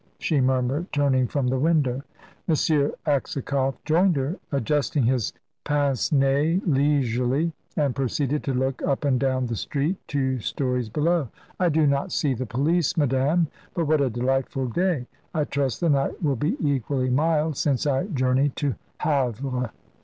she murmured, turning from the window. M. Aksakoff joined her, adjusting his pince nez leisurely, and proceeded to look up and down the street, two stories below. "I do not see the police, madame. But what a delightful day! I trust the night will be equally mild, since I journey to Havre."